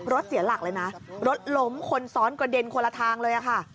เสียหลักเลยนะรถล้มคนซ้อนกระเด็นคนละทางเลยค่ะ